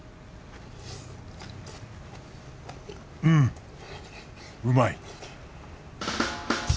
うんうまい！